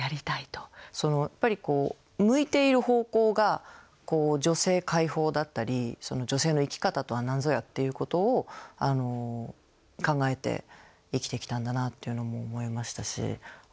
やっぱり向いている方向が女性解放だったり女性の生き方とは何ぞやっていうことを考えて生きてきたんだなっていうのも思いましたし。